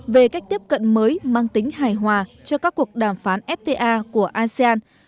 về cách tiếp cận mới mang tính hài hòa cho các cuộc đàm phán fta của asean